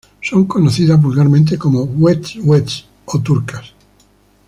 Son conocidas vulgarmente como huet-huets o turcas.